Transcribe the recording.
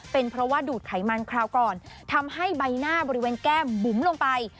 เป็นเพราะว่าดูดไขมันคราวก่อนทำให้ใบหน้าบริเวณแก้มบุ๋มลงไป